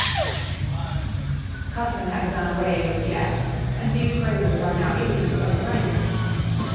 Custom has done away with the s and these phrases are now idioms of the language.